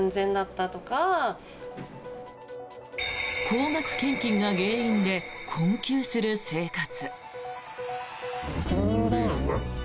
高額献金が原因で困窮する生活。